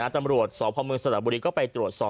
ตัมรวจข่อเมืองสหร่าบุรีก็ผ่านไปตรวจสอบ